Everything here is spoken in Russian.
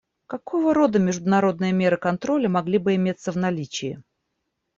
Какого рода международные меры контроля могли бы иметься в наличии?